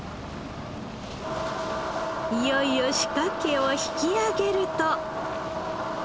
いよいよ仕掛けを引き揚げると